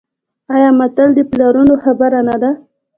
آیا متل د پلرونو خبره نه ده؟